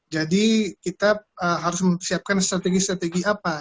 jadi kita harus menyiapkan strategi strategi apa